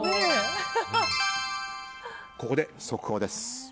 ここで速報です。